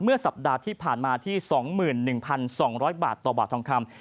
สัปดาห์ที่ผ่านมาที่๒๑๒๐๐บาทต่อบาททองคำ